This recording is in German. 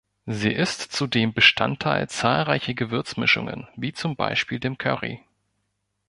Sie ist zudem Bestandteil zahlreicher Gewürzmischungen, wie zum Beispiel dem Curry.